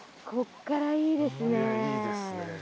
ここからいいですね。